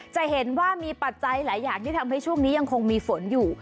จะเห็นว่ามีปัจจัยหลายอย่างที่ทำให้ช่วงนี้ยังคงมีฝนอยู่